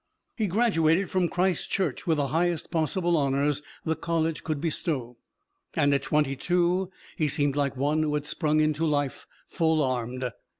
He graduated from Christchurch with the highest possible honors the college could bestow, and at twenty two he seemed like one who had sprung into life full armed.